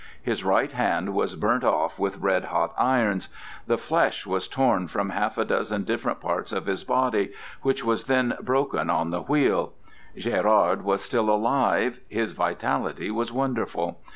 His right hand was burnt off with red hot irons; the flesh was torn from half a dozen different parts of his body, which was then broken on the wheel. Gérard was still alive; his vitality was wonderful.